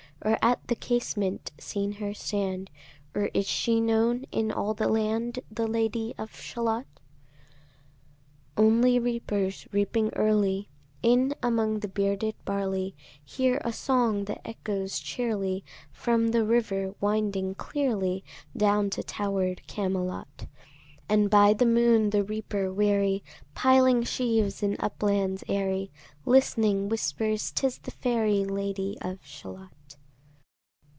Or at the casement seen her stand? Or is she known in all the land, The Lady of Shalott? Only reapers, reaping early In among the bearded barley, Hear a song that echoes cheerly From the river winding clearly, Down to tower'd Camelot: And by the moon the reaper weary, Piling sheaves in uplands airy, Listening, whispers "'Tis the fairy Lady of Shalott."